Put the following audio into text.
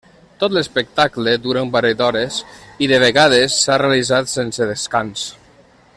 Tot l'espectacle dura un parell d'hores i de vegades s'ha realitzat sense descans.